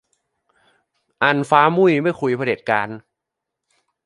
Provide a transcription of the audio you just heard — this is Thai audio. อัน ฟ้ามุ่ยไม่คุยกับเผด็จการ